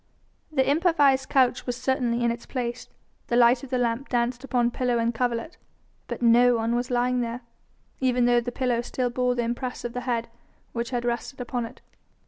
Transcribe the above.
The improvised couch was certainly in its place, the light of the lamp danced upon pillow and coverlet, but no one was lying there, even though the pillow still bore the impress of the head which had rested on it.